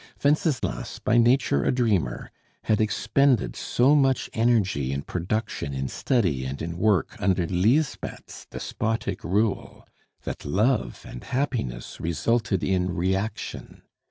Wenceslas, by nature a dreamer, had expended so much energy in production, in study, and in work under Lisbeth's despotic rule, that love and happiness resulted in reaction.